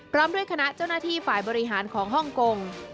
พร้อมด้วยคณะเจ้าหน้าที่ฝ่ายบริหารของฮ่องกง